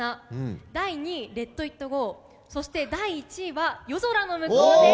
第２位「レット・イット・ゴー」そして第１位は「夜空ノムコウ」です。